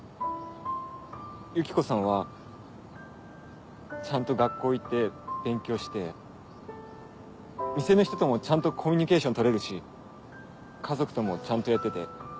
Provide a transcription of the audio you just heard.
ユキコさんはちゃんと学校行って勉強して店の人ともちゃんとコミュニケーション取れるし家族ともちゃんとやってて。